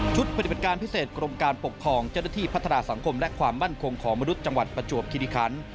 ปฏิบัติการพิเศษกรมการปกครองเจ้าหน้าที่พัฒนาสังคมและความมั่นคงของมนุษย์จังหวัดประจวบคิริคัน